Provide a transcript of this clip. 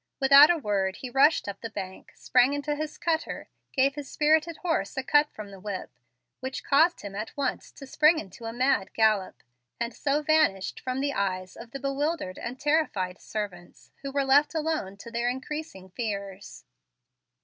Without a word he rushed up the bank, sprang into his cutter, gave his spirited horse a cut from the whip, which caused him at once to spring into a mad gallop, and so vanished from the eyes of the bewildered and terrified servants, who were left alone to their increasing fears.